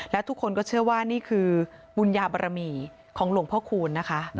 และทุกคนก็เชื่อว่านี่คือบุญญาบรมีของหลวงพ่อคูณนะคะ